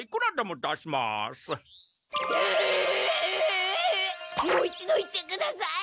もう一度言ってください！